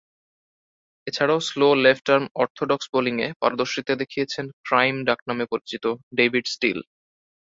এছাড়াও slow left arm orthodox বোলিংয়ে পারদর্শিতা দেখিয়েছেন 'ক্রাইম' ডাকনামে পরিচিত ডেভিড স্টিল।